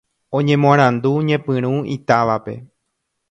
Oñemoarandu ñepyrũ itávape